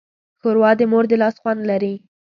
ښوروا د مور د لاس خوند لري.